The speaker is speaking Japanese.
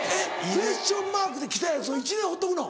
クエスチョンマークで来たやつを１年ほっとくの？